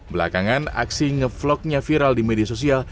belakangan aksi nge vlognya viral di media sosial